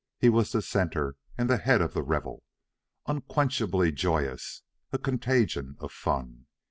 He was the centre and the head of the revel, unquenchably joyous, a contagion of fun.